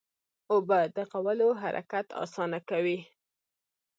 اوبه د غولو حرکت اسانه کوي.